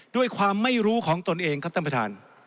ด้วยความไม่รู้ของตนเองครับท่านประธาน